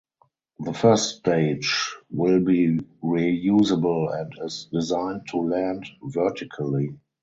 The first stage will be reusable and is designed to land vertically.